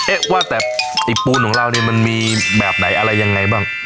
เอ๊ะว่าแต่ไอ้ปูนของเราเนี่ยมันมีแบบไหนอะไรยังไงบ้าง